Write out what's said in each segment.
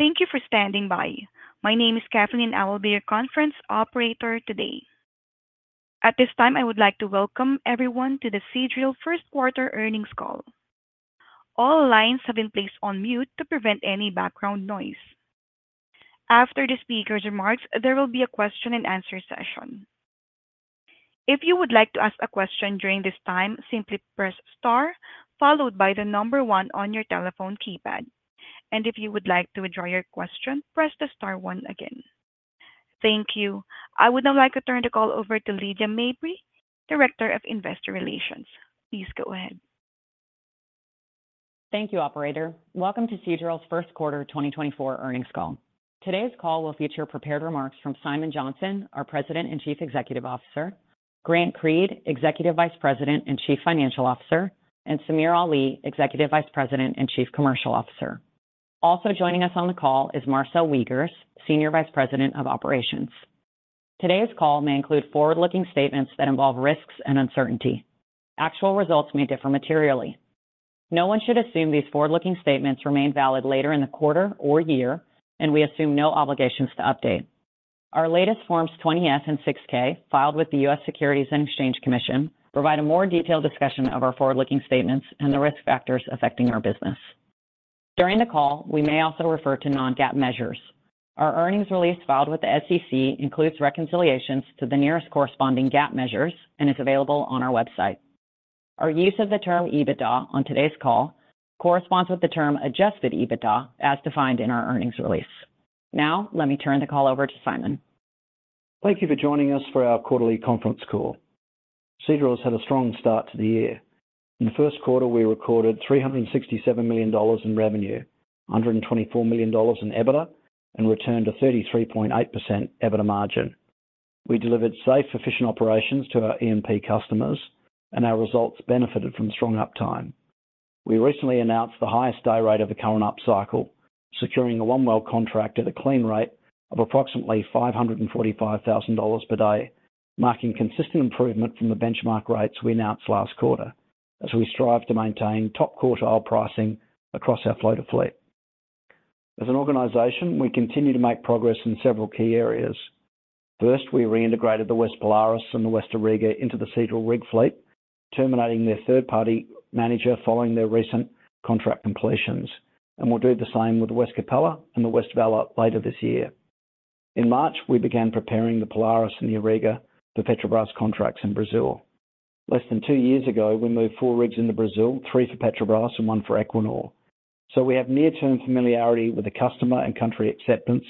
Thank you for standing by. My name is Kathleen Alwell, your conference operator today. At this time, I would like to welcome everyone to the Seadrill first quarter earnings call. All lines have been placed on mute to prevent any background noise. After the speaker's remarks, there will be a question-and-answer session. If you would like to ask a question during this time, simply press star followed by the number one on your telephone keypad, and if you would like to withdraw your question, press the star one again. Thank you. I would now like to turn the call over to Lydia Mabry, Director of Investor Relations. Please go ahead. Thank you, operator. Welcome to Seadrill's first quarter 2024 earnings call. Today's call will feature prepared remarks from Simon Johnson, our President and Chief Executive Officer; Grant Creed, Executive Vice President and Chief Financial Officer; and Samir Ali, Executive Vice President and Chief Commercial Officer. Also joining us on the call is Marcel Wiegers, Senior Vice President of Operations. Today's call may include forward-looking statements that involve risks and uncertainty. Actual results may differ materially. No one should assume these forward-looking statements remain valid later in the quarter or year, and we assume no obligations to update. Our latest Forms 20-F and 6-K filed with the U.S. Securities and Exchange Commission provide a more detailed discussion of our forward-looking statements and the risk factors affecting our business. During the call, we may also refer to non-GAAP measures. Our earnings release filed with the SEC includes reconciliations to the nearest corresponding GAAP measures and is available on our website. Our use of the term EBITDA on today's call corresponds with the term adjusted EBITDA as defined in our earnings release. Now, let me turn the call over to Simon. Thank you for joining us for our quarterly conference call. Seadrill's had a strong start to the year. In the first quarter, we recorded $367 million in revenue, $124 million in EBITDA, and returned a 33.8% EBITDA margin. We delivered safe, efficient operations to our E&P customers, and our results benefited from strong uptime. We recently announced the highest day rate of the current upcycle, securing a one-well contract at a clean rate of approximately $545,000 per day, marking consistent improvement from the benchmark rates we announced last quarter as we strive to maintain top quartile pricing across our floater fleet. As an organization, we continue to make progress in several key areas. First, we reintegrated the West Polaris and the West Auriga into the Seadrill rig fleet, terminating their third-party manager following their recent contract completions, and we'll do the same with the West Capella and the West Vela later this year. In March, we began preparing the Polaris and the Auriga for Petrobras contracts in Brazil. Less than two years ago, we moved four rigs into Brazil, three for Petrobras and one for Equinor. So we have near-term familiarity with the customer and country acceptance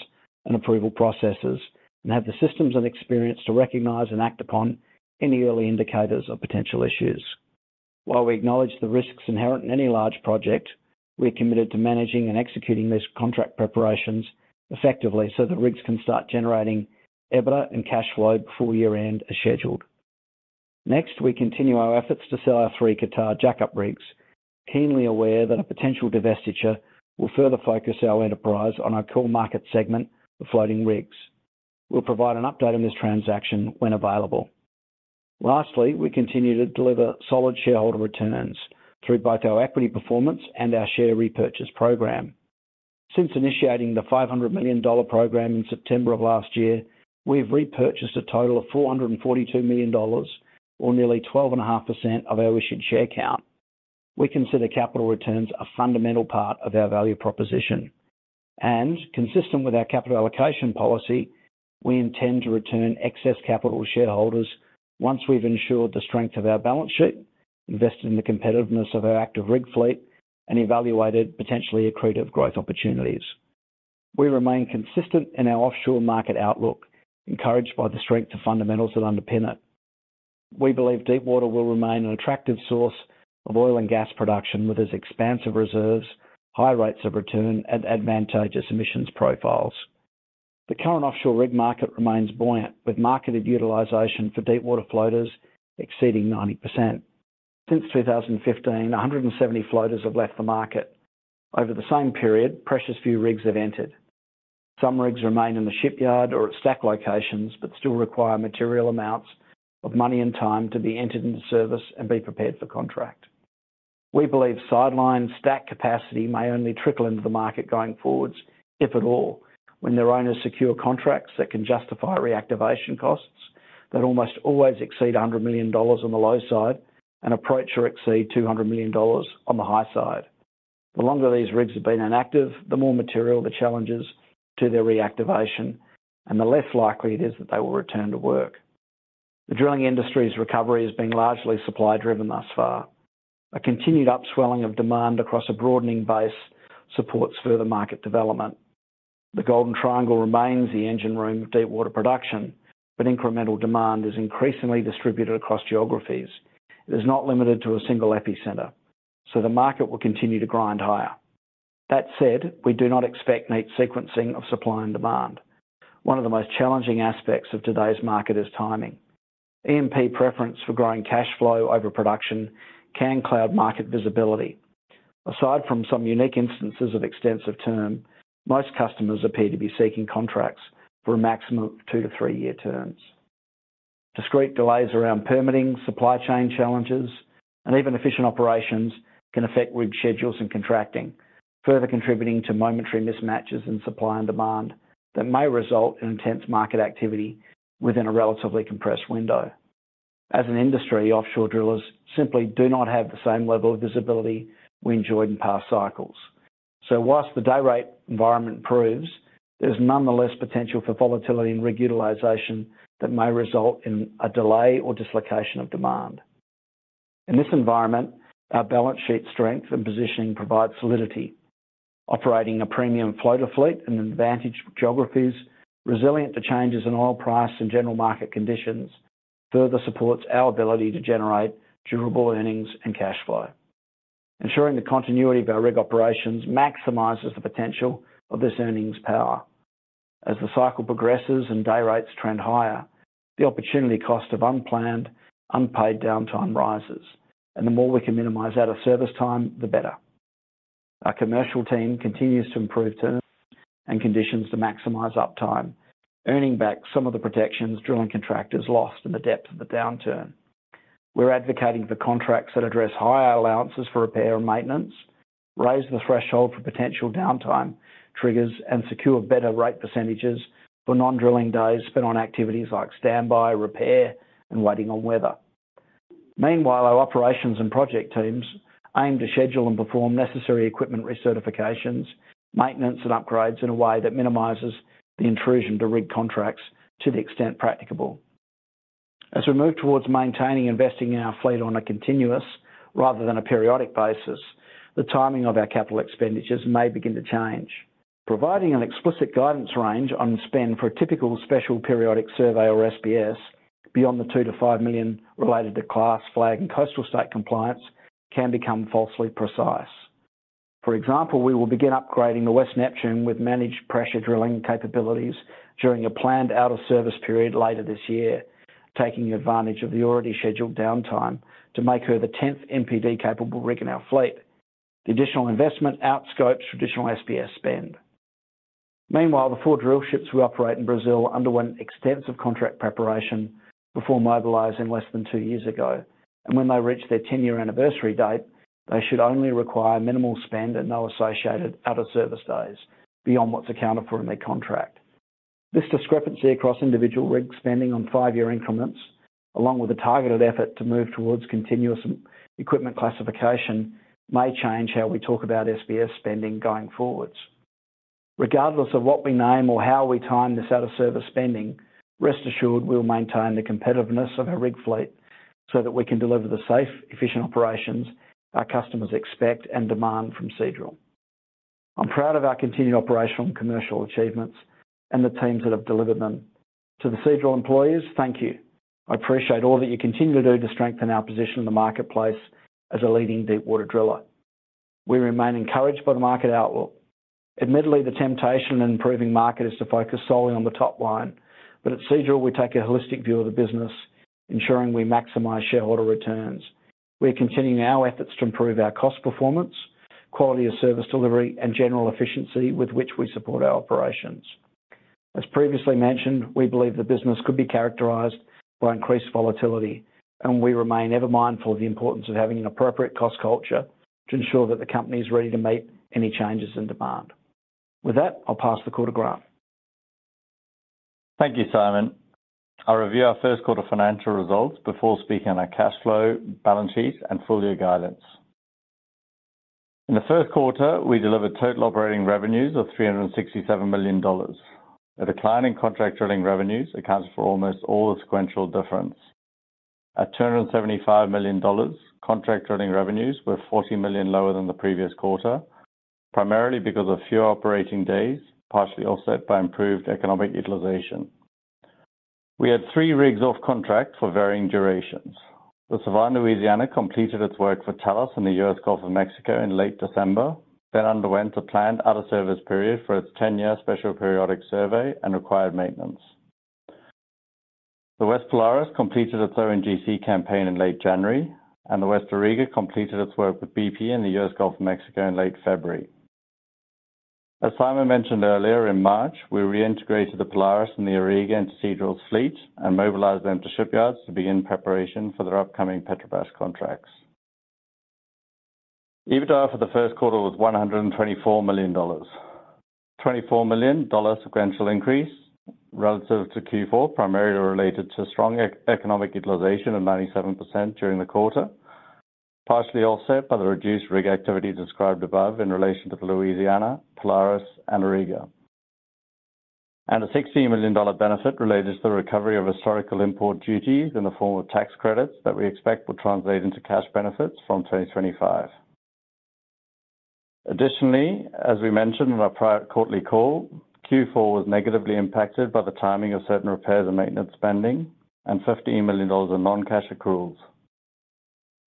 and approval processes and have the systems and experience to recognize and act upon any early indicators of potential issues. While we acknowledge the risks inherent in any large project, we are committed to managing and executing these contract preparations effectively so that rigs can start generating EBITDA and cash flow before year-end as scheduled. Next, we continue our efforts to sell our three Qatar jackup rigs, keenly aware that a potential divestiture will further focus our enterprise on our core market segment of floating rigs. We'll provide an update on this transaction when available. Lastly, we continue to deliver solid shareholder returns through both our equity performance and our share repurchase program. Since initiating the $500 million program in September of last year, we've repurchased a total of $442 million, or nearly 12.5% of our issued share count. We consider capital returns a fundamental part of our value proposition, and consistent with our capital allocation policy, we intend to return excess capital to shareholders once we've ensured the strength of our balance sheet, invested in the competitiveness of our active rig fleet, and evaluated potentially accretive growth opportunities. We remain consistent in our offshore market outlook, encouraged by the strength of fundamentals that underpin it. We believe deepwater will remain an attractive source of oil and gas production with its expansive reserves, high rates of return, and advantageous emissions profiles. The current offshore rig market remains buoyant, with marketed utilization for deepwater floaters exceeding 90%. Since 2015, 170 floaters have left the market. Over the same period, precious few rigs have entered. Some rigs remain in the shipyard or at stack locations but still require material amounts of money and time to be entered into service and be prepared for contract. We believe sideline stack capacity may only trickle into the market going forward, if at all, when their owners secure contracts that can justify reactivation costs that almost always exceed $100 million on the low side and approach or exceed $200 million on the high side. The longer these rigs have been inactive, the more material the challenges to their reactivation, and the less likely it is that they will return to work. The drilling industry's recovery has been largely supply-driven thus far. A continued upswelling of demand across a broadening base supports further market development. The Golden Triangle remains the engine room of deepwater production, but incremental demand is increasingly distributed across geographies. It is not limited to a single epicenter, so the market will continue to grind higher. That said, we do not expect neat sequencing of supply and demand. One of the most challenging aspects of today's market is timing. E&P preference for growing cash flow over production can cloud market visibility. Aside from some unique instances of extensive term, most customers appear to be seeking contracts for a maximum of two-three-year terms. Discrete delays around permitting, supply chain challenges, and even inefficient operations can affect rig schedules and contracting, further contributing to momentary mismatches in supply and demand that may result in intense market activity within a relatively compressed window. As an industry, offshore drillers simply do not have the same level of visibility we enjoyed in past cycles. So while the day rate environment improves, there's nonetheless potential for volatility in rig utilization that may result in a delay or dislocation of demand. In this environment, our balance sheet strength and positioning provide solidity. Operating a premium floater fleet in advantaged geographies, resilient to changes in oil price and general market conditions, further supports our ability to generate durable earnings and cash flow. Ensuring the continuity of our rig operations maximizes the potential of this earnings power. As the cycle progresses and day rates trend higher, the opportunity cost of unplanned, unpaid downtime rises, and the more we can minimize out-of-service time, the better. Our commercial team continues to improve terms and conditions to maximize uptime, earning back some of the protections drilling contractors lost in the depth of the downturn. We're advocating for contracts that address higher allowances for repair and maintenance, raise the threshold for potential downtime triggers, and secure better rate percentages for non-drilling days spent on activities like standby, repair, and waiting on weather. Meanwhile, our operations and project teams aim to schedule and perform necessary equipment recertifications, maintenance, and upgrades in a way that minimizes the intrusion to rig contracts to the extent practicable. As we move towards maintaining investing in our fleet on a continuous rather than a periodic basis, the timing of our capital expenditures may begin to change. Providing an explicit guidance range on spend for a typical special periodic survey or SPS beyond the $2 million-$5 million related to class, flag, and coastal state compliance can become falsely precise. For example, we will begin upgrading the West Neptune with managed pressure drilling capabilities during a planned out-of-service period later this year, taking advantage of the already scheduled downtime to make her the 10th MPD-capable rig in our fleet. The additional investment outscopes traditional SPS spend. Meanwhile, the four drill ships we operate in Brazil underwent extensive contract preparation before mobilizing less than two years ago, and when they reach their 10-year anniversary date, they should only require minimal spend and no associated out-of-service days beyond what's accounted for in their contract. This discrepancy across individual rig spending on five-year increments, along with a targeted effort to move towards continuous equipment classification, may change how we talk about SPS spending going forwards. Regardless of what we name or how we time this out-of-service spending, rest assured we'll maintain the competitiveness of our rig fleet so that we can deliver the safe, efficient operations our customers expect and demand from Seadrill. I'm proud of our continued operational and commercial achievements and the teams that have delivered them. To the Seadrill employees, thank you. I appreciate all that you continue to do to strengthen our position in the marketplace as a leading deepwater driller. We remain encouraged by the market outlook. Admittedly, the temptation in improving market is to focus solely on the top line, but at Seadrill, we take a holistic view of the business, ensuring we maximize shareholder returns. We are continuing our efforts to improve our cost performance, quality of service delivery, and general efficiency with which we support our operations. As previously mentioned, we believe the business could be characterized by increased volatility, and we remain ever mindful of the importance of having an appropriate cost culture to ensure that the company is ready to meet any changes in demand. With that, I'll pass the call to Grant. Thank you, Simon. I'll review our first quarter financial results before speaking on our cash flow, balance sheets, and full-year guidance. In the first quarter, we delivered total operating revenues of $367 million. A decline in contract drilling revenues accounts for almost all the sequential difference. At $275 million, contract drilling revenues were $40 million lower than the previous quarter, primarily because of fewer operating days, partially offset by improved economic utilization. We had three rigs off contract for varying durations. The Sevan Louisiana completed its work for Talos in the U.S. Gulf of Mexico in late December, then underwent a planned out-of-service period for its 10-year special periodic survey and required maintenance. The West Polaris completed its ONGC campaign in late January, and the West Auriga completed its work with BP in the U.S. Gulf of Mexico in late February. As Simon mentioned earlier, in March, we reintegrated the West Polaris and the West Auriga into Seadrill's fleet and mobilized them to shipyards to begin preparation for their upcoming Petrobras contracts. EBITDA for the first quarter was $124 million. $24 million sequential increase relative to Q4, primarily related to strong economic utilization of 97% during the quarter, partially offset by the reduced rig activity described above in relation to the Sevan Louisiana, West Polaris, and West Auriga. A $16 million benefit related to the recovery of historical import duties in the form of tax credits that we expect will translate into cash benefits from 2025. Additionally, as we mentioned in our prior quarterly call, Q4 was negatively impacted by the timing of certain repairs and maintenance spending and $15 million in non-cash accruals.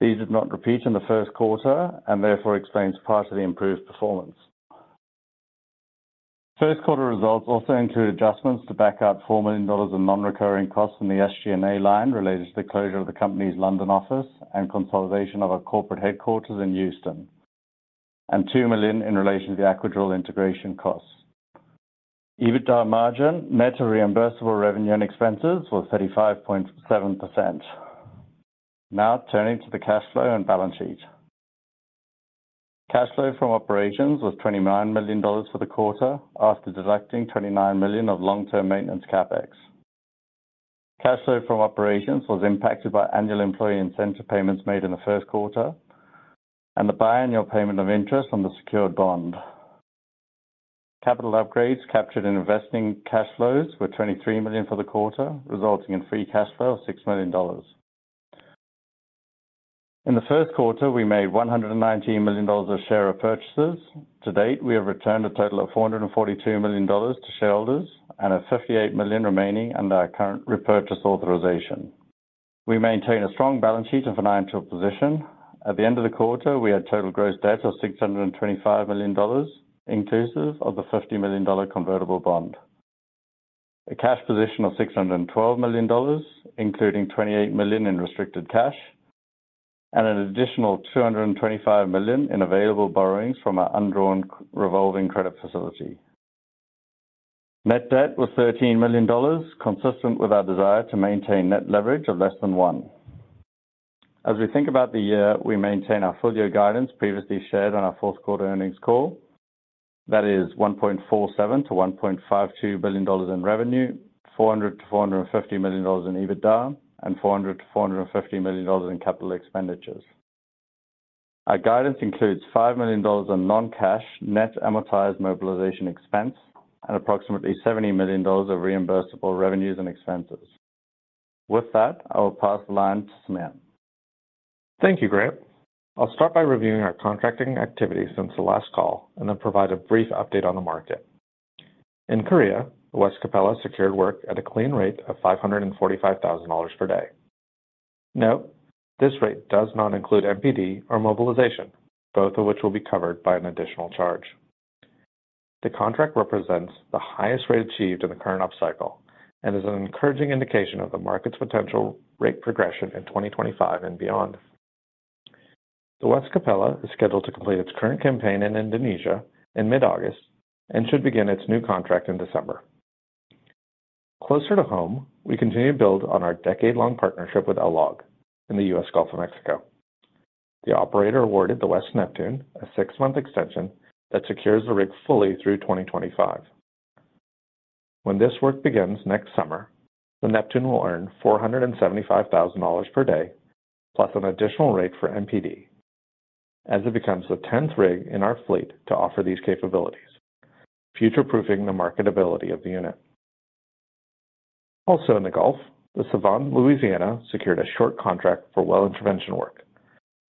These did not repeat in the first quarter and therefore explains part of the improved performance. First quarter results also include adjustments to back out $4 million in non-recurring costs from the SG&A line related to the closure of the company's London office and consolidation of our corporate headquarters in Houston, and $2 million in relation to the Aquadrill integration costs. EBITDA margin, net of reimbursable revenue and expenses, was 35.7%. Now, turning to the cash flow and balance sheet. Cash flow from operations was $29 million for the quarter after deducting $29 million of long-term maintenance CapEx. Cash flow from operations was impacted by annual employee incentive payments made in the first quarter and the biannual payment of interest on the secured bond. Capital upgrades captured in investing cash flows were $23 million for the quarter, resulting in free cash flow of $6 million. In the first quarter, we made $119 million of share repurchases. To date, we have returned a total of $442 million to shareholders and have $58 million remaining under our current repurchase authorization. We maintain a strong balance sheet and financial position. At the end of the quarter, we had total gross debt of $625 million, inclusive of the $50 million convertible bond, a cash position of $612 million, including $28 million in restricted cash, and an additional $225 million in available borrowings from our undrawn revolving credit facility. Net debt was $13 million, consistent with our desire to maintain net leverage of less than one. As we think about the year, we maintain our full-year guidance previously shared on our fourth quarter earnings call. That is $1.47 billion-$1.52 billion in revenue, $400 million-$450 million in EBITDA, and $400 million-$450 million in capital expenditures. Our guidance includes $5 million in non-cash net amortized mobilization expense and approximately $70 million of reimbursable revenues and expenses. With that, I will pass the line to Samir. Thank you, Grant. I'll start by reviewing our contracting activity since the last call and then provide a brief update on the market. In Korea, the West Capella secured work at a clean rate of $545,000 per day. Note, this rate does not include MPD or mobilization, both of which will be covered by an additional charge. The contract represents the highest rate achieved in the current upcycle and is an encouraging indication of the market's potential rate progression in 2025 and beyond. The West Capella is scheduled to complete its current campaign in Indonesia in mid-August and should begin its new contract in December. Closer to home, we continue to build on our decade-long partnership with LLOG in the U.S. Gulf of Mexico. The operator awarded the West Neptune a six-month extension that secures the rig fully through 2025. When this work begins next summer, the Neptune will earn $475,000 per day plus an additional rate for MPD as it becomes the 10th rig in our fleet to offer these capabilities, future-proofing the marketability of the unit. Also in the Gulf, the Sevan Louisiana secured a short contract for well intervention work,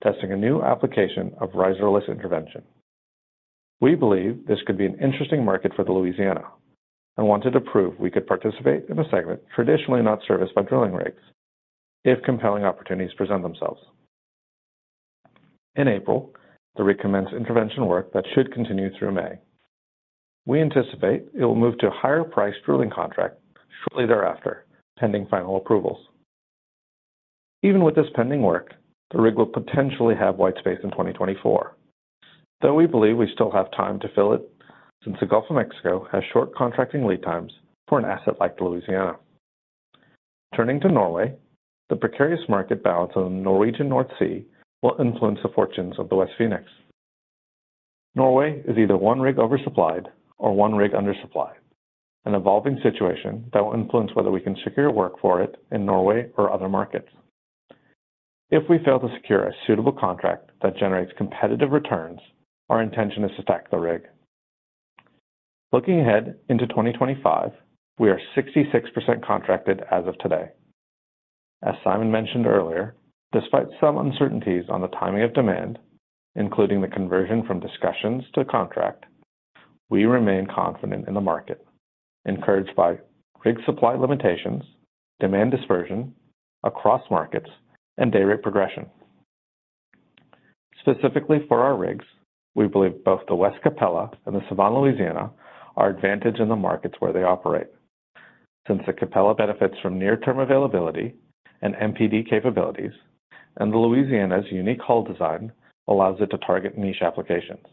testing a new application of riserless intervention. We believe this could be an interesting market for the Louisiana and wanted to prove we could participate in a segment traditionally not serviced by drilling rigs if compelling opportunities present themselves. In April, the rig commenced intervention work that should continue through May. We anticipate it will move to a higher-priced drilling contract shortly thereafter, pending final approvals. Even with this pending work, the rig will potentially have white space in 2024, though we believe we still have time to fill it since the Gulf of Mexico has short contracting lead times for an asset like the Sevan Louisiana. Turning to Norway, the precarious market balance in the Norwegian North Sea will influence the fortunes of the West Phoenix. Norway is either one rig oversupplied or one rig undersupplied, an evolving situation that will influence whether we can secure work for it in Norway or other markets. If we fail to secure a suitable contract that generates competitive returns, our intention is to stack the rig. Looking ahead into 2025, we are 66% contracted as of today. As Simon mentioned earlier, despite some uncertainties on the timing of demand, including the conversion from discussions to contract, we remain confident in the market, encouraged by rig supply limitations, demand dispersion across markets, and day rate progression. Specifically for our rigs, we believe both the West Capella and the Sevan Louisiana are advantaged in the markets where they operate since the Capella benefits from near-term availability and MPD capabilities, and the Louisiana's unique hull design allows it to target niche applications.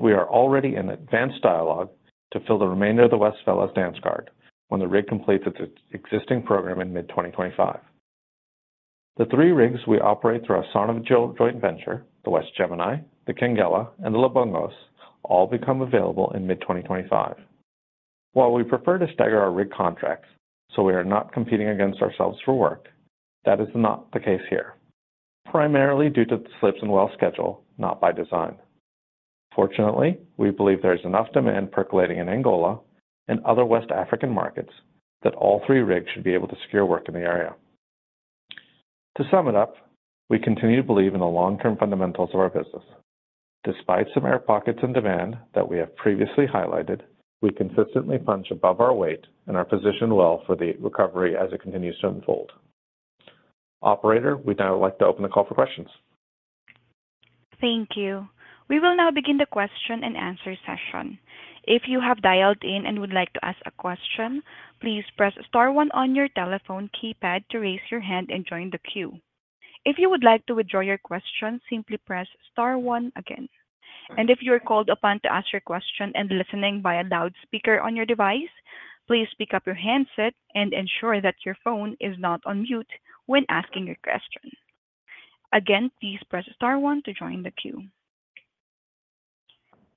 We are already in advanced dialogue to fill the remainder of the West Vela dance card when the rig completes its existing program in mid-2025. The three rigs we operate through our Sonadrill, the West Gemini, the Sonangol Quenguela, and the Sonangol Libongos, all become available in mid-2025. While we prefer to stagger our rig contracts so we are not competing against ourselves for work, that is not the case here, primarily due to the slips in well schedule, not by design. Fortunately, we believe there is enough demand percolating in Angola and other West African markets that all three rigs should be able to secure work in the area. To sum it up, we continue to believe in the long-term fundamentals of our business. Despite some air pockets in demand that we have previously highlighted, we consistently punch above our weight and are positioned well for the recovery as it continues to unfold. Operator, we now would like to open the call for questions. Thank you. We will now begin the question-and-answer session. If you have dialed in and would like to ask a question, please press star one on your telephone keypad to raise your hand and join the queue. If you would like to withdraw your question, simply press star one again. If you are called upon to ask your question and listening via loudspeaker on your device, please pick up your handset and ensure that your phone is not on mute when asking your question. Again, please press star one to join the queue.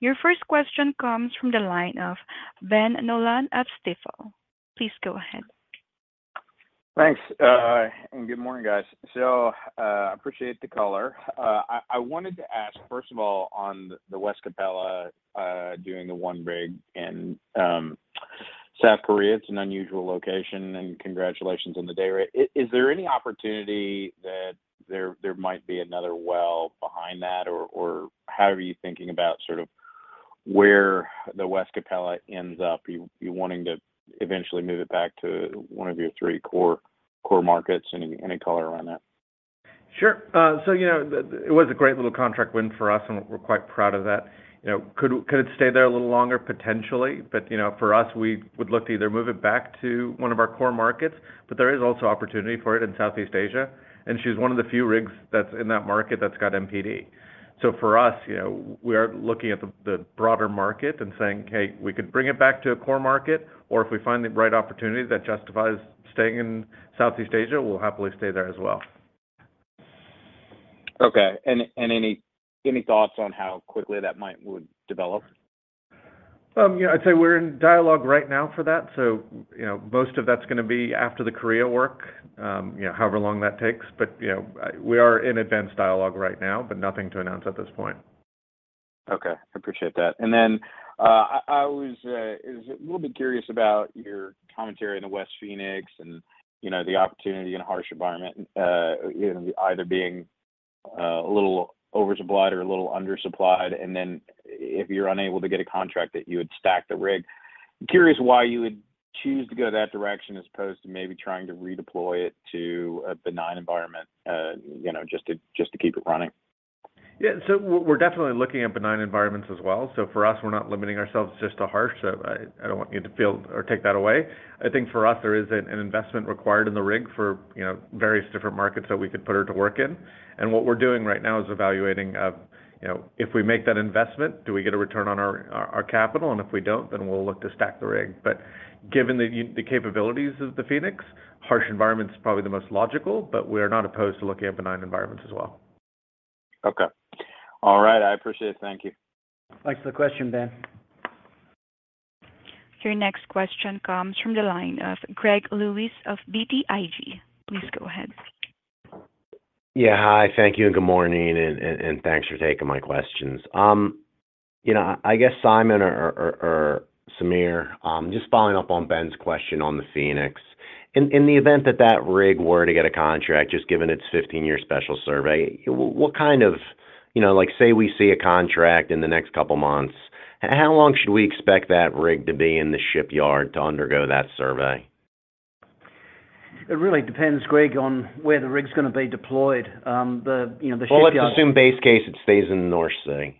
Your first question comes from the line of Ben Nolan at Stifel. Please go ahead. Thanks. Good morning, guys. I appreciate the caller. I wanted to ask, first of all, on the West Capella doing the one rig in South Korea. It's an unusual location, and congratulations on the day rate. Is there any opportunity that there might be another well behind that, or how are you thinking about sort of where the West Capella ends up, you wanting to eventually move it back to one of your three core markets? Any color around that? Sure. So it was a great little contract win for us, and we're quite proud of that. Could it stay there a little longer, potentially? But for us, we would look to either move it back to one of our core markets, but there is also opportunity for it in Southeast Asia. And she's one of the few rigs that's in that market that's got MPD. So for us, we are looking at the broader market and saying, "Hey, we could bring it back to a core market," or if we find the right opportunity that justifies staying in Southeast Asia, we'll happily stay there as well. Okay. Any thoughts on how quickly that might would develop? I'd say we're in dialogue right now for that. So most of that's going to be after the Korea work, however long that takes. But we are in advanced dialogue right now, but nothing to announce at this point. Okay. I appreciate that. And then I was a little bit curious about your commentary on the West Phoenix and the opportunity in a harsh environment, either being a little oversupplied or a little undersupplied, and then if you're unable to get a contract that you would stack the rig. Curious why you would choose to go that direction as opposed to maybe trying to redeploy it to a benign environment just to keep it running? Yeah. So we're definitely looking at benign environments as well. So for us, we're not limiting ourselves just to harsh. So I don't want you to feel or take that away. I think for us, there is an investment required in the rig for various different markets that we could put her to work in. And what we're doing right now is evaluating if we make that investment, do we get a return on our capital? And if we don't, then we'll look to stack the rig. But given the capabilities of the Phoenix, harsh environment is probably the most logical, but we are not opposed to looking at benign environments as well. Okay. All right. I appreciate it. Thank you. Thanks for the question, Ben. Your next question comes from the line of Greg Lewis of BTIG. Please go ahead. Yeah. Hi. Thank you and good morning, and thanks for taking my questions. I guess Simon or Samir, just following up on Ben's question on the Phoenix. In the event that that rig were to get a contract, just given its 15-year special survey, what kind of say we see a contract in the next couple of months, how long should we expect that rig to be in the shipyard to undergo that survey? It really depends, Greg, on where the rig's going to be deployed, the shipyard. Well, let's assume base case it stays in the North Sea.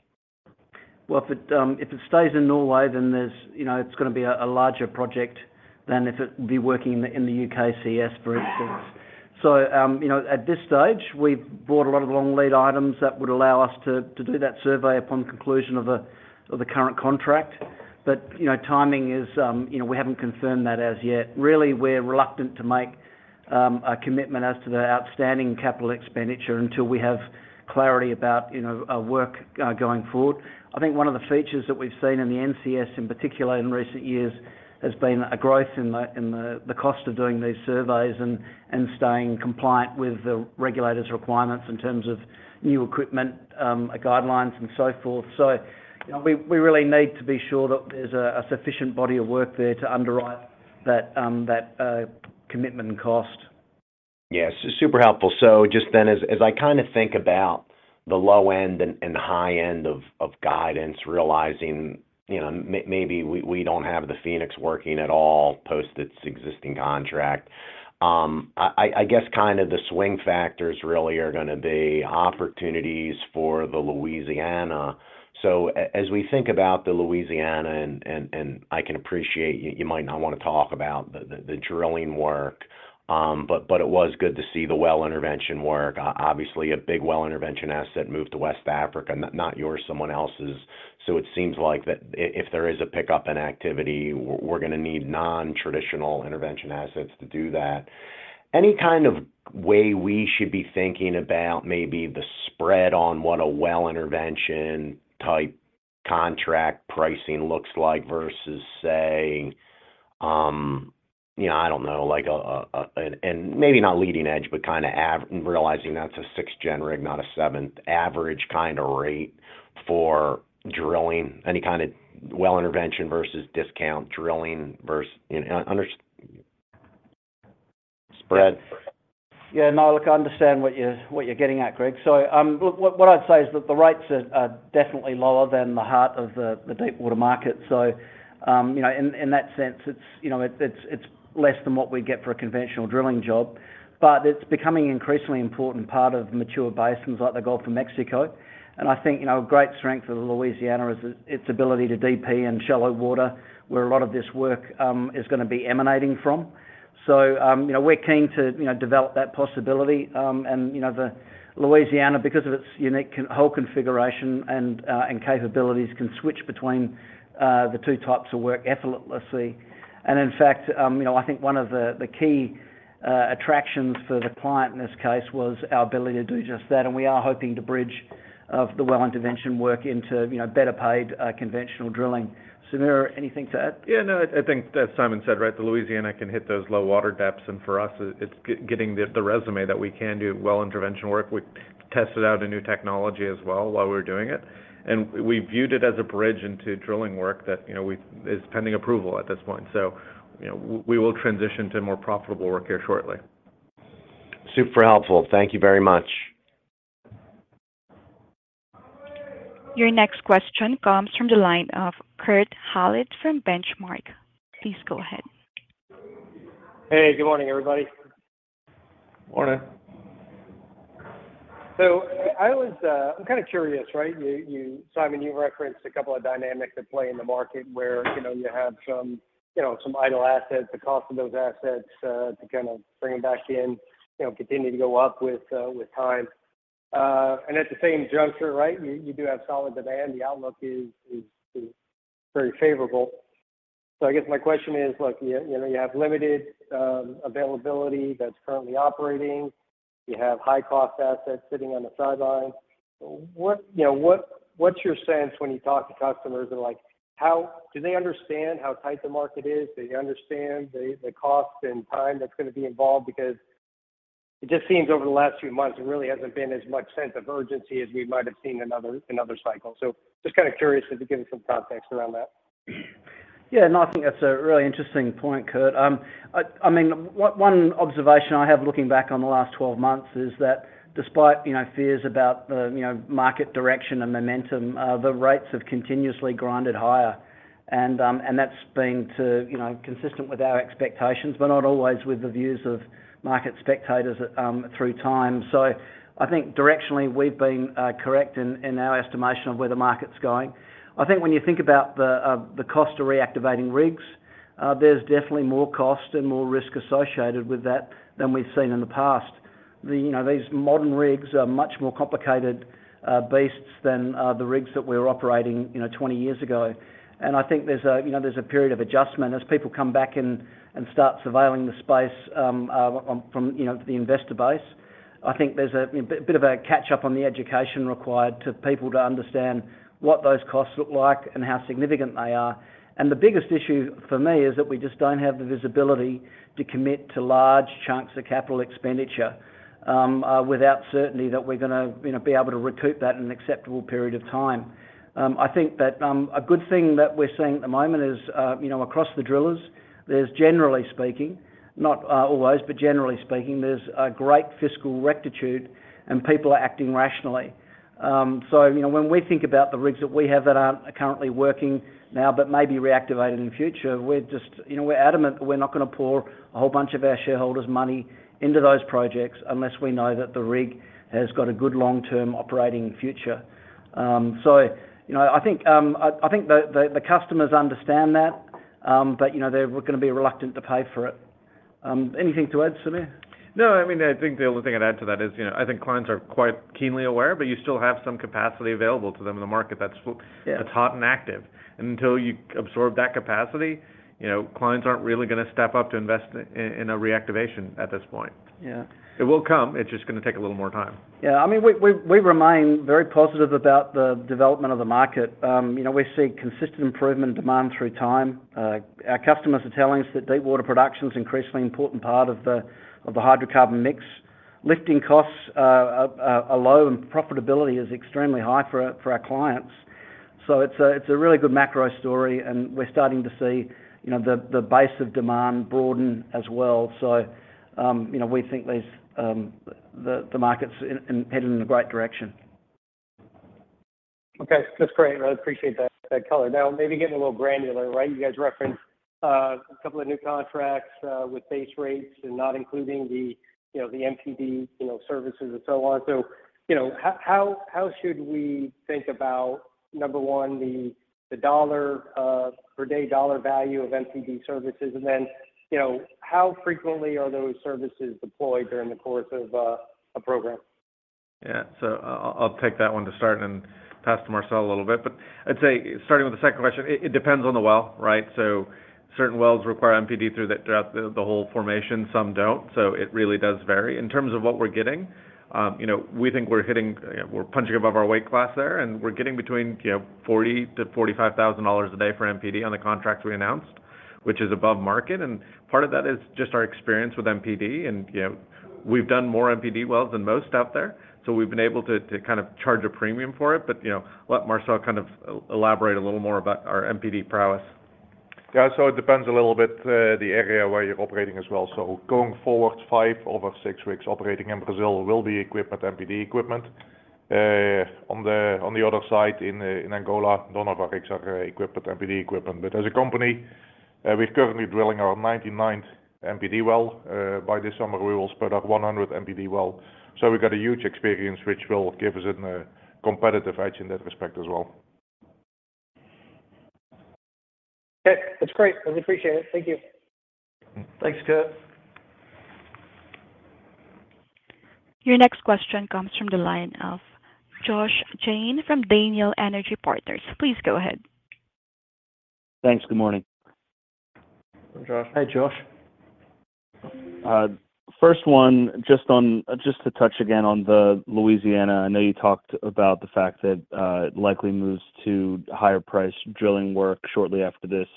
Well, if it stays in Norway, then it's going to be a larger project than if it would be working in the UKCS, for instance. So at this stage, we've bought a lot of long lead items that would allow us to do that survey upon conclusion of the current contract. But timing is we haven't confirmed that as yet. Really, we're reluctant to make a commitment as to the outstanding capital expenditure until we have clarity about our work going forward. I think one of the features that we've seen in the NCS, in particular in recent years, has been a growth in the cost of doing these surveys and staying compliant with the regulator's requirements in terms of new equipment, guidelines, and so forth. So we really need to be sure that there's a sufficient body of work there to underwrite that commitment and cost. Yes. Super helpful. So just then, as I kind of think about the low end and high end of guidance, realizing maybe we don't have the Phoenix working at all post its existing contract, I guess kind of the swing factors really are going to be opportunities for the Louisiana. So as we think about the Louisiana, and I can appreciate you might not want to talk about the drilling work, but it was good to see the well intervention work. Obviously, a big well intervention asset moved to West Africa, not yours, someone else's. So it seems like that if there is a pickup in activity, we're going to need non-traditional intervention assets to do that. Any kind of way we should be thinking about maybe the spread on what a well intervention type contract pricing looks like versus, say, I don't know, and maybe not leading edge, but kind of realizing that's a sixth-gen rig, not a seventh, average kind of rate for drilling, any kind of well intervention versus discount drilling versus spread? Yeah. No, I understand what you're getting at, Greg. So what I'd say is that the rates are definitely lower than the heart of the deep-water market. So in that sense, it's less than what we get for a conventional drilling job. But it's becoming an increasingly important part of mature basins like the Gulf of Mexico. And I think a great strength of the Louisiana is its ability to DP in shallow water where a lot of this work is going to be emanating from. So we're keen to develop that possibility. And the Louisiana, because of its unique hull configuration and capabilities, can switch between the two types of work effortlessly. And in fact, I think one of the key attractions for the client in this case was our ability to do just that. And we are hoping to bridge the well intervention work into better-paid conventional drilling. Samir, anything to add? Yeah. No, I think that Simon said right. The Louisiana can hit those low water depths. For us, it's getting the resume that we can do well intervention work. We tested out a new technology as well while we were doing it. We viewed it as a bridge into drilling work that is pending approval at this point. We will transition to more profitable work here shortly. Super helpful. Thank you very much. Your next question comes from the line of Kurt Hallead from Benchmark. Please go ahead. Hey. Good morning, everybody. Morning. So I'm kind of curious, right? Simon, you referenced a couple of dynamics that play in the market where you have some idle assets, the cost of those assets to kind of bring them back in, continue to go up with time. And at the same juncture, right, you do have solid demand. The outlook is very favorable. So I guess my question is, look, you have limited availability that's currently operating. You have high-cost assets sitting on the sideline. What's your sense when you talk to customers? Do they understand how tight the market is? Do they understand the cost and time that's going to be involved? Because it just seems over the last few months, there really hasn't been as much sense of urgency as we might have seen in other cycles. So just kind of curious if you could give us some context around that. Yeah. No, I think that's a really interesting point, Kurt. I mean, one observation I have looking back on the last 12 months is that despite fears about the market direction and momentum, the rates have continuously grinded higher. And that's been consistent with our expectations, but not always with the views of market spectators through time. So I think directionally, we've been correct in our estimation of where the market's going. I think when you think about the cost of reactivating rigs, there's definitely more cost and more risk associated with that than we've seen in the past. These modern rigs are much more complicated beasts than the rigs that we were operating 20 years ago. And I think there's a period of adjustment. As people come back and start surveilling the space from the investor base, I think there's a bit of a catch-up on the education required to people to understand what those costs look like and how significant they are. The biggest issue for me is that we just don't have the visibility to commit to large chunks of capital expenditure without certainty that we're going to be able to recoup that in an acceptable period of time. I think that a good thing that we're seeing at the moment is across the drillers, there's generally speaking, not always, but generally speaking, there's a great fiscal rectitude, and people are acting rationally. So when we think about the rigs that we have that aren't currently working now but may be reactivated in the future, we're adamant that we're not going to pour a whole bunch of our shareholders' money into those projects unless we know that the rig has got a good long-term operating future. So I think the customers understand that, but they're going to be reluctant to pay for it. Anything to add, Samir? No. I mean, I think the only thing I'd add to that is I think clients are quite keenly aware, but you still have some capacity available to them in the market that's hot and active. And until you absorb that capacity, clients aren't really going to step up to invest in a reactivation at this point. It will come. It's just going to take a little more time. Yeah. I mean, we remain very positive about the development of the market. We see consistent improvement in demand through time. Our customers are telling us that deep-water production is an increasingly important part of the hydrocarbon mix. Lifting costs are low, and profitability is extremely high for our clients. So it's a really good macro story, and we're starting to see the base of demand broaden as well. So we think the market's heading in a great direction. Okay. That's great. I appreciate that color. Now, maybe getting a little granular, right? You guys referenced a couple of new contracts with base rates and not including the MPD services and so on. So how should we think about, number one, the per-day dollar value of MPD services? And then how frequently are those services deployed during the course of a program? Yeah. So I'll take that one to start and pass to Marcel a little bit. But I'd say starting with the second question, it depends on the well, right? So certain wells require MPD throughout the whole formation. Some don't. So it really does vary. In terms of what we're getting, we think we're punching above our weight class there, and we're getting between $40,000-$45,000 a day for MPD on the contracts we announced, which is above market. And part of that is just our experience with MPD. And we've done more MPD wells than most out there. So we've been able to kind of charge a premium for it. But let Marcel kind of elaborate a little more about our MPD prowess. Yeah. So it depends a little bit on the area where you're operating as well. So going forward, 5 out of 6 weeks operating in Brazil will be equipped with MPD equipment. On the other side, in Angola, our rigs are equipped with MPD equipment. But as a company, we're currently drilling our 99th MPD well. By this summer, we will be up to 100 MPD wells. So we've got a huge experience, which will give us a competitive edge in that respect as well. Okay. That's great. We appreciate it. Thank you. Thanks, Kurt. Your next question comes from the line of Josh Jayne from Daniel Energy Partners. Please go ahead. Thanks. Good morning. Hi Josh. First one, just to touch again on the Louisiana. I know you talked about the fact that it likely moves to higher-priced drilling work shortly after this,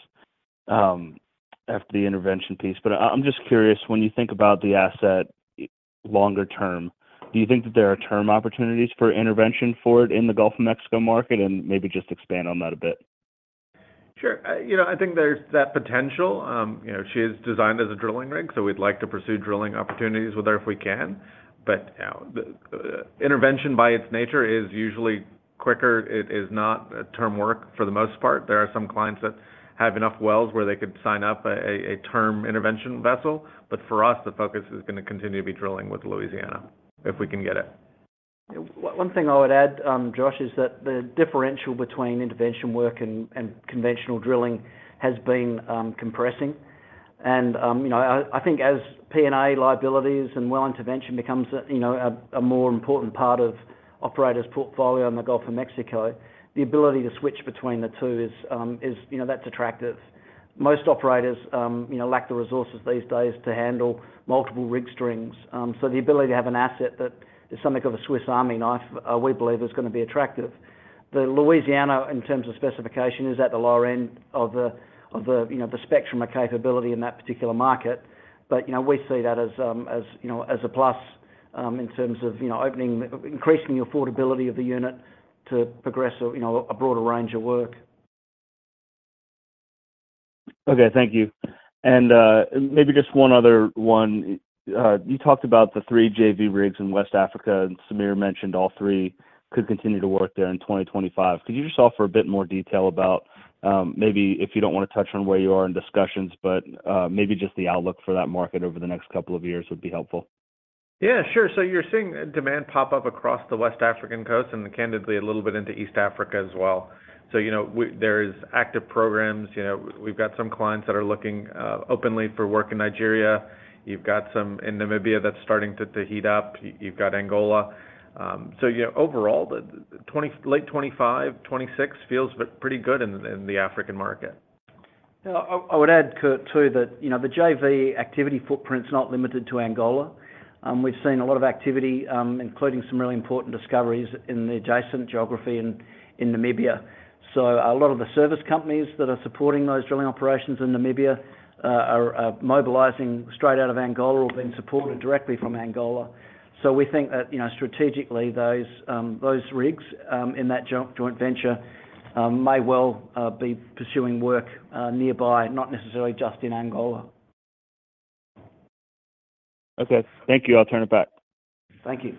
after the intervention piece. But I'm just curious, when you think about the asset longer term, do you think that there are term opportunities for intervention for it in the Gulf of Mexico market? And maybe just expand on that a bit. Sure. I think there's that potential. She is designed as a drilling rig, so we'd like to pursue drilling opportunities with her if we can. But intervention, by its nature, is usually quicker. It is not term work for the most part. There are some clients that have enough wells where they could sign up a term intervention vessel. But for us, the focus is going to continue to be drilling with Louisiana if we can get it. One thing I would add, Josh, is that the differential between intervention work and conventional drilling has been compressing. And I think as P&A liabilities and well intervention becomes a more important part of operators' portfolio in the Gulf of Mexico, the ability to switch between the two, that's attractive. Most operators lack the resources these days to handle multiple rig strings. So the ability to have an asset that is something of a Swiss Army knife, we believe, is going to be attractive. The Sevan Louisiana, in terms of specification, is at the lower end of the spectrum of capability in that particular market. But we see that as a plus in terms of increasing the affordability of the unit to progress a broader range of work. Okay. Thank you. And maybe just one other one. You talked about the three JV rigs in West Africa, and Samir mentioned all three could continue to work there in 2025. Could you just offer a bit more detail about maybe if you don't want to touch on where you are in discussions, but maybe just the outlook for that market over the next couple of years would be helpful? Yeah. Sure. So you're seeing demand pop up across the West African coast and candidly, a little bit into East Africa as well. So there are active programs. We've got some clients that are looking openly for work in Nigeria. You've got some in Namibia that's starting to heat up. You've got Angola. So overall, late 2025, 2026 feels pretty good in the African market. Yeah. I would add, Kurt, too, that the JV activity footprint is not limited to Angola. We've seen a lot of activity, including some really important discoveries in the adjacent geography in Namibia. So a lot of the service companies that are supporting those drilling operations in Namibia are mobilizing straight out of Angola or being supported directly from Angola. So we think that strategically, those rigs in that joint venture may well be pursuing work nearby, not necessarily just in Angola. Okay. Thank you. I'll turn it back. Thank you.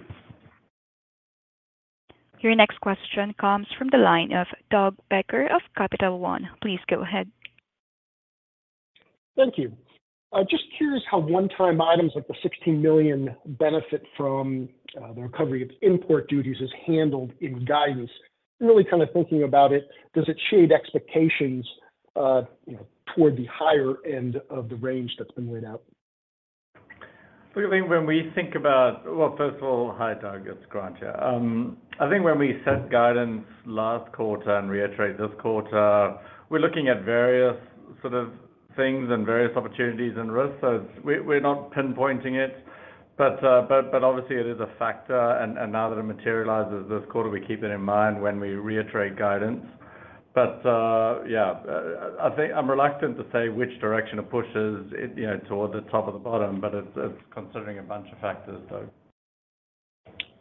Your next question comes from the line of Doug Becker of Capital One. Please go ahead. Thank you. I'm just curious how one-time items like the $16 million benefit from the recovery of import duties is handled in guidance? Really kind of thinking about it, does it shade expectations toward the higher end of the range that's been laid out? Well, I think when we think about well, first of all, hi, Doug. It's Grant here. I think when we set guidance last quarter and reiterate this quarter, we're looking at various sort of things and various opportunities and risks. So we're not pinpointing it. But obviously, it is a factor. And now that it materializes this quarter, we keep it in mind when we reiterate guidance. But yeah, I'm reluctant to say which direction it pushes toward the top or the bottom, but it's considering a bunch of factors, Doug.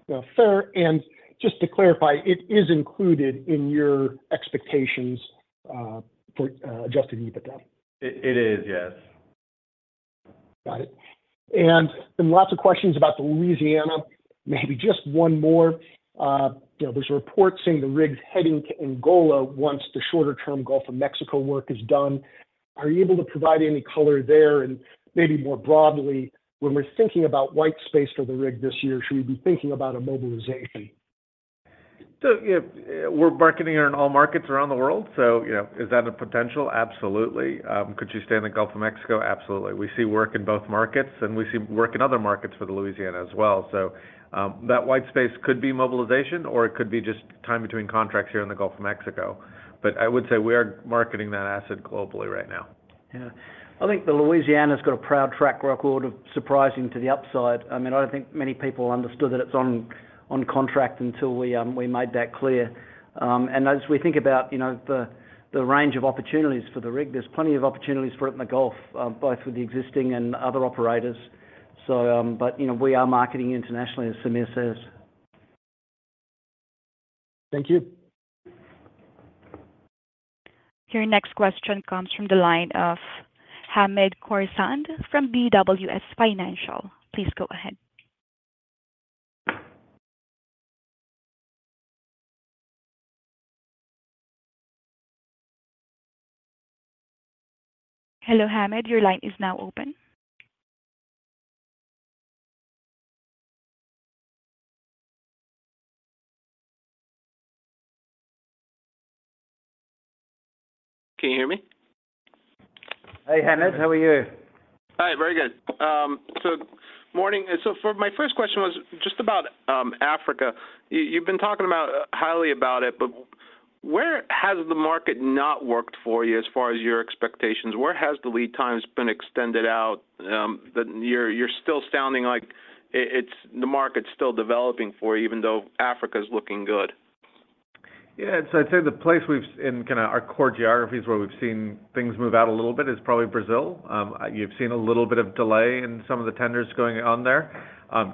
Yeah. Fair. And just to clarify, it is included in your expectations for adjusted EBITDA? It is, yes. Got it. And lots of questions about Louisiana. Maybe just one more. There's a report saying the rig's heading to Angola once the shorter-term Gulf of Mexico work is done. Are you able to provide any color there? And maybe more broadly, when we're thinking about white space for the rig this year, should we be thinking about a mobilization? So we're marketing her in all markets around the world. So is that a potential? Absolutely. Could she stay in the Gulf of Mexico? Absolutely. We see work in both markets, and we see work in other markets for the Louisiana as well. So that white space could be mobilization, or it could be just time between contracts here in the Gulf of Mexico. But I would say we are marketing that asset globally right now. Yeah. I think the Louisiana's got a proud track record of surprising to the upside. I mean, I don't think many people understood that it's on contract until we made that clear. And as we think about the range of opportunities for the rig, there's plenty of opportunities for it in the Gulf, both with the existing and other operators. But we are marketing internationally, as Samir says. Thank you. Your next question comes from the line of Hamed Khorsand from BWS Financial. Please go ahead. Hello, Hamed. Your line is now open. Can you hear me? Hey, Hamed. How are you? Hi. Very good. So for my first question was just about Africa. You've been talking highly about it, but where has the market not worked for you as far as your expectations? Where has the lead times been extended out? You're still sounding like the market's still developing for you, even though Africa's looking good. Yeah. So I'd say the place in our core geographies where we've seen things move out a little bit is probably Brazil. You've seen a little bit of delay in some of the tenders going on there.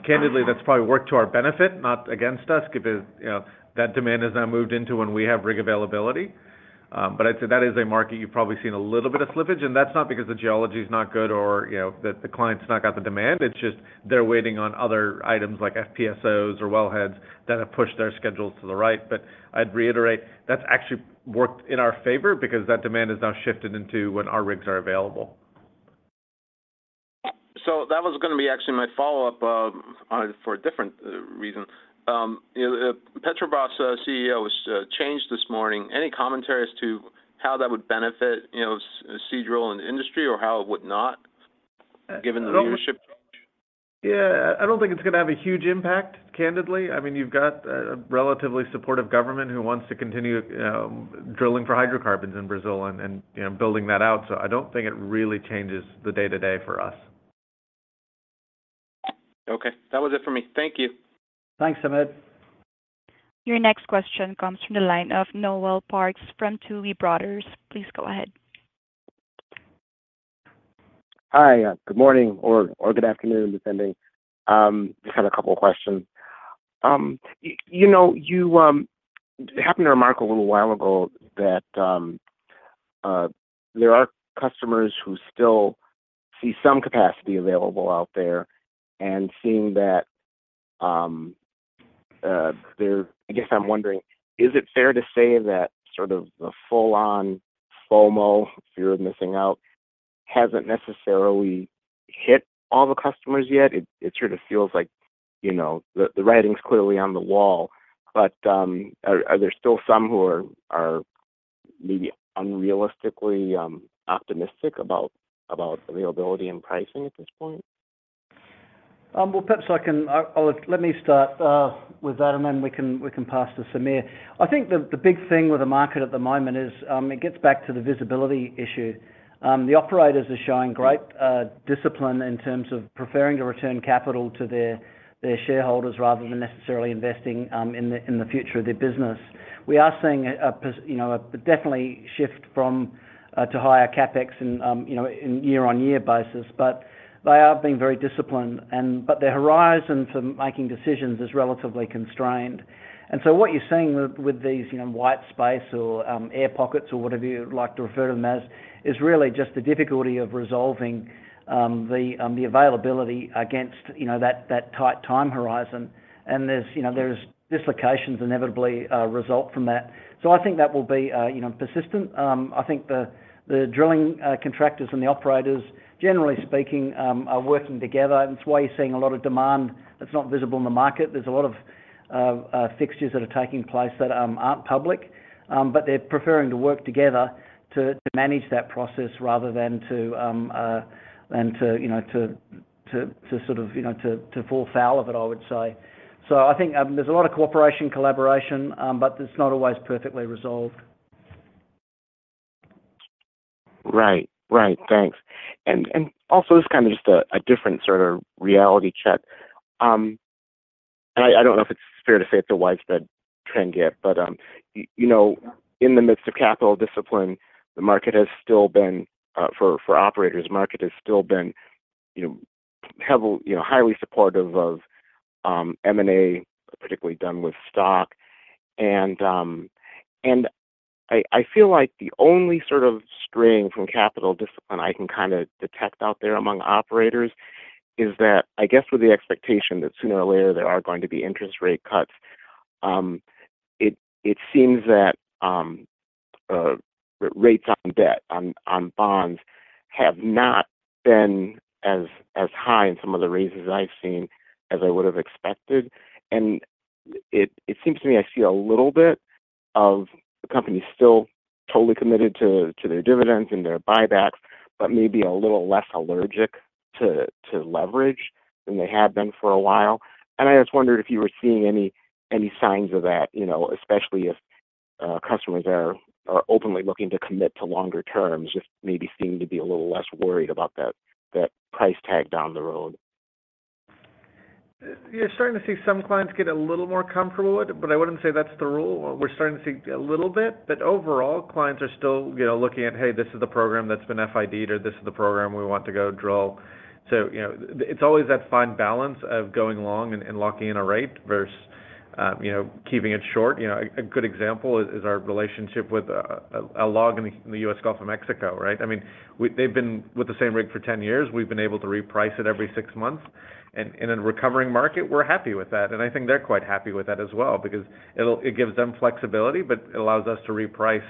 Candidly, that's probably worked to our benefit, not against us, given that demand has now moved into when we have rig availability. But I'd say that is a market you've probably seen a little bit of slippage. And that's not because the geology's not good or that the client's not got the demand. It's just they're waiting on other items like FPSOs or wellheads that have pushed their schedules to the right. But I'd reiterate, that's actually worked in our favor because that demand has now shifted into when our rigs are available. So that was going to be actually my follow-up for a different reason. Petrobras CEO changed this morning. Any commentaries to how that would benefit Seadrill and industry or how it would not, given the leadership change? Yeah. I don't think it's going to have a huge impact, candidly. I mean, you've got a relatively supportive government who wants to continue drilling for hydrocarbons in Brazil and building that out. So I don't think it really changes the day-to-day for us. Okay. That was it for me. Thank you. Thanks, Hamed. Your next question comes from the line of Noel Parks from Tuohy Brothers. Please go ahead. Hi. Good morning or good afternoon, depending. Just had a couple of questions. You happened to remark a little while ago that there are customers who still see some capacity available out there. Seeing that, I guess I'm wondering, is it fair to say that sort of the full-on FOMO, fear of missing out, hasn't necessarily hit all the customers yet? It sort of feels like the writing's clearly on the wall. But are there still some who are maybe unrealistically optimistic about availability and pricing at this point? Well, perhaps I can let me start with that, and then we can pass to Samir. I think the big thing with the market at the moment is it gets back to the visibility issue. The operators are showing great discipline in terms of preferring to return capital to their shareholders rather than necessarily investing in the future of their business. We are seeing definitely a shift to higher CapEx on a year-on-year basis, but they are being very disciplined. But their horizon for making decisions is relatively constrained. And so what you're seeing with these white space or air pockets, or whatever you like to refer to them as, is really just the difficulty of resolving the availability against that tight time horizon. And there's dislocations inevitably result from that. So I think that will be persistent. I think the drilling contractors and the operators, generally speaking, are working together. And it's why you're seeing a lot of demand that's not visible in the market. There's a lot of fixtures that are taking place that aren't public. But they're preferring to work together to manage that process rather than to sort of fall foul of it, I would say. So I think there's a lot of cooperation, collaboration, but it's not always perfectly resolved. Right. Right. Thanks. And also, it's kind of just a different sort of reality check. And I don't know if it's fair to say it's a widespread trend yet, but in the midst of capital discipline, the market has still been for operators, the market has still been highly supportive of M&A, particularly done with stock. And I feel like the only sort of string from capital discipline I can kind of detect out there among operators is that, I guess, with the expectation that sooner or later there are going to be interest rate cuts, it seems that rates on debt, on bonds, have not been as high in some of the raises that I've seen as I would have expected. It seems to me I see a little bit of the company still totally committed to their dividends and their buybacks, but maybe a little less allergic to leverage than they had been for a while. I just wondered if you were seeing any signs of that, especially if customers are openly looking to commit to longer terms, just maybe seeming to be a little less worried about that price tag down the road. You're starting to see some clients get a little more comfortable with it, but I wouldn't say that's the rule. We're starting to see a little bit. But overall, clients are still looking at, "Hey, this is the program that's been FIDed," or, "This is the program we want to go drill." So it's always that fine balance of going long and locking in a rate versus keeping it short. A good example is our relationship with LLOG in the U.S. Gulf of Mexico, right? I mean, they've been with the same rig for 10 years. We've been able to reprice it every six months. And in a recovering market, we're happy with that. And I think they're quite happy with that as well because it gives them flexibility, but it allows us to reprice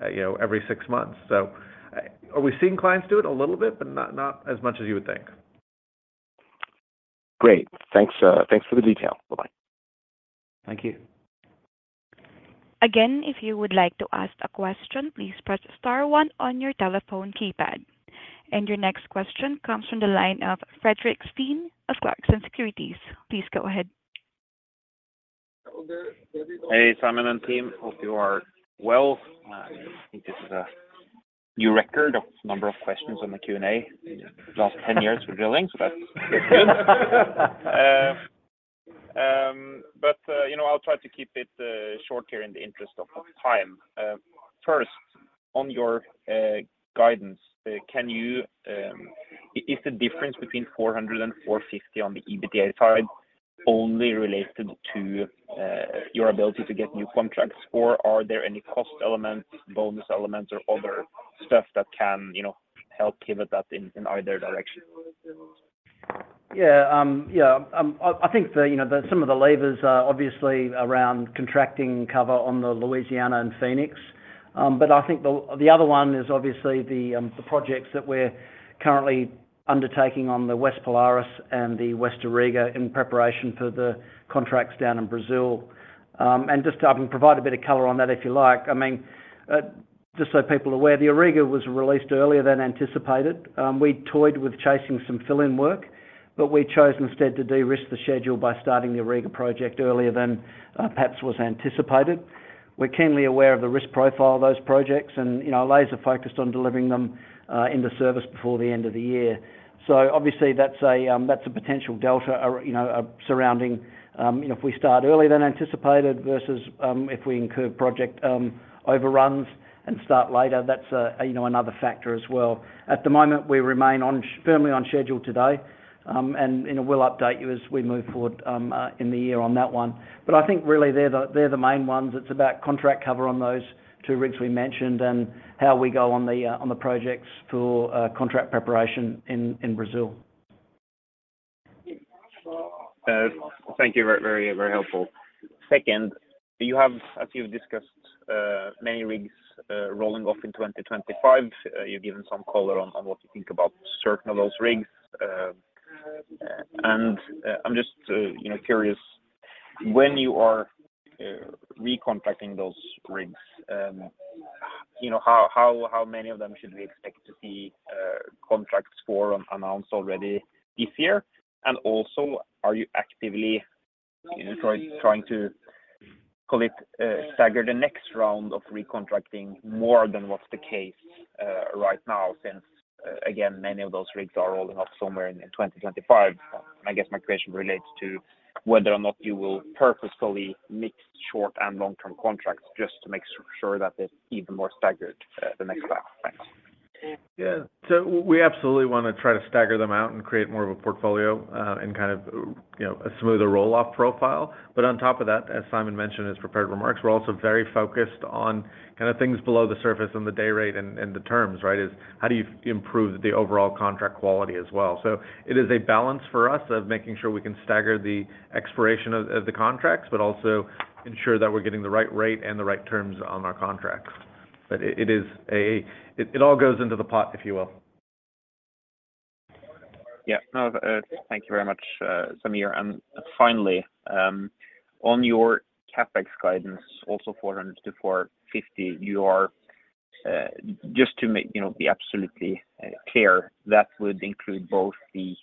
every six months. Are we seeing clients do it a little bit, but not as much as you would think? Great. Thanks for the detail. Bye-bye. Thank you. Again, if you would like to ask a question, please press star one on your telephone keypad. And your next question comes from the line of Fredrik Stene of Clarksons Securities. Please go ahead. Hey, Simon and team. Hope you are well. I think this is a new record of number of questions on the Q&A in the last 10 years for drilling, so that's good. I'll try to keep it short here in the interest of time. First, on your guidance, is the difference between $400 and $450 on the EBITDA side only related to your ability to get new contracts, or are there any cost elements, bonus elements, or other stuff that can help pivot that in either direction? Yeah. Yeah. I think some of the levers are obviously around contracting cover on the Louisiana and Phoenix. But I think the other one is obviously the projects that we're currently undertaking on the West Polaris and the West Auriga in preparation for the contracts down in Brazil. And just to provide a bit of color on that, if you like, I mean, just so people are aware, the Auriga was released earlier than anticipated. We toyed with chasing some fill-in work, but we chose instead to de-risk the schedule by starting the Auriga project earlier than perhaps was anticipated. We're keenly aware of the risk profile of those projects, and laser-focused on delivering them into service before the end of the year. So obviously, that's a potential delta surrounding if we start earlier than anticipated versus if we incur project overruns and start later, that's another factor as well. At the moment, we remain firmly on schedule today, and we'll update you as we move forward in the year on that one. But I think really they're the main ones. It's about contract cover on those two rigs we mentioned and how we go on the projects for contract preparation in Brazil. Thank you. Very, very helpful. Second, you have actually discussed many rigs rolling off in 2025. You've given some color on what you think about certain of those rigs. And I'm just curious, when you are recontracting those rigs, how many of them should we expect to see contracts for announced already this year? And also, are you actively trying to, call it, stagger the next round of recontracting more than what's the case right now since, again, many of those rigs are rolling off somewhere in 2025? And I guess my question relates to whether or not you will purposefully mix short and long-term contracts just to make sure that it's even more staggered the next time. Thanks. Yeah. So we absolutely want to try to stagger them out and create more of a portfolio and kind of a smoother rolloff profile. But on top of that, as Simon mentioned in his prepared remarks, we're also very focused on kind of things below the surface and the day rate and the terms, right? Is how do you improve the overall contract quality as well? So it is a balance for us of making sure we can stagger the expiration of the contracts, but also ensure that we're getting the right rate and the right terms on our contracts. But it all goes into the pot, if you will. Yeah. Thank you very much, Samir. And finally, on your CapEx guidance, also $400-$450, just to be absolutely clear, that would include both the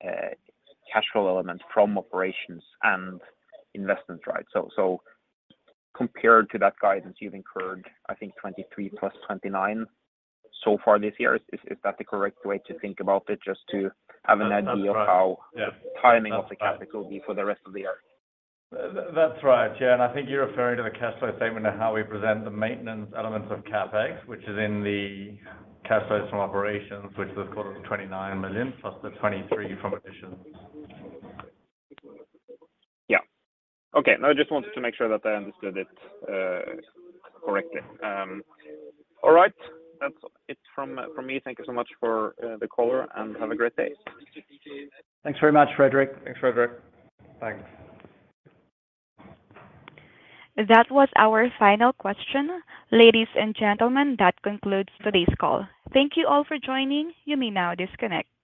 cash flow element from operations and investments, right? So compared to that guidance, you've incurred, I think, $23 + $29 so far this year. Is that the correct way to think about it, just to have an idea of how the timing of the capital will be for the rest of the year? That's right. Yeah. I think you're referring to the cash flow statement and how we present the maintenance elements of CapEx, which is in the cash flows from operations, which is called $29 million plus the $23 from additions. Yeah. Okay. No, I just wanted to make sure that I understood it correctly. All right. That's it from me. Thank you so much for the color, and have a great day. Thanks very much, Fredrik. Thanks, Fredrik. Thanks. That was our final question. Ladies and gentlemen, that concludes today's call. Thank you all for joining. You may now disconnect.